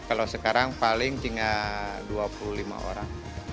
kalau sekarang paling tinggal dua puluh lima orang